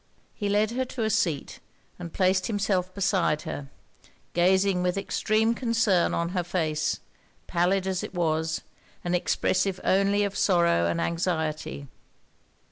He led her to a seat, and placed himself by her; gazing with extreme concern on her face, pallid as it was, and expressive only of sorrow and anxiety.